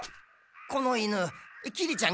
この犬きりちゃん